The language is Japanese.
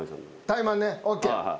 タイマンねＯＫ。